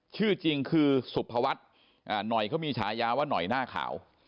ชื่อจริงคือสุภวัฒน์หน่อยเขามีฉายาว่าหน่อยหน้าขาว